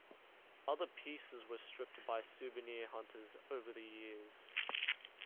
Other pieces were stripped by souvenir hunters over the years.